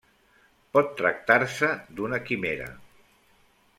Pot tractar-se d'una quimera.